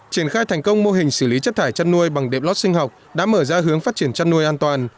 triển khai thành công mô hình xử lý chất thải chăn nuôi bằng điệp lót sinh học đã mở ra hướng phát triển chăn nuôi an toàn